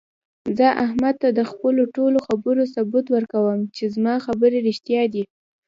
زه احمد ته د خپلو ټولو خبرو ثبوت ورکوم، چې زما خبرې رښتیا دي.